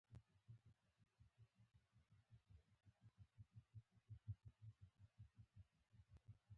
دا ستنې د مشروطې په وخت کې درول شوې وې.